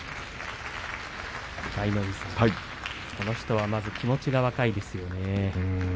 舞の海さん、この人は気持ちが若いですね。